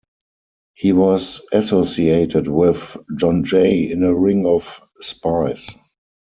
He was associated with John Jay in a ring of spies.